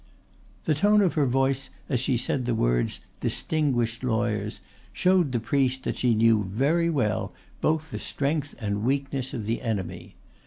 The tone of her voice as she said the words "distinguished lawyers" showed the priest that she knew very well both the strength and weakness of the enemy.